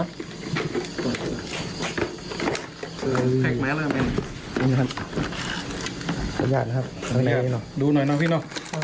คือแพ็คไหมล่ะเมนขออนุญาตนะครับดูหน่อยน่ะพี่น้อง